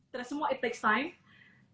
terus semua it takes time